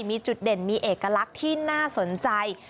มีจุดเด่นมีเอกลักษณ์ที่น่าสนใจ